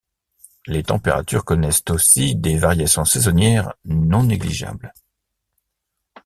Les températures connaissent aussi des variations saisonnières non négligeables.